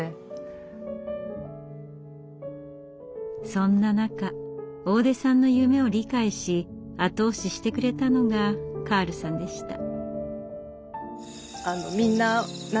そんな中大出さんの夢を理解し後押ししてくれたのがカールさんでした。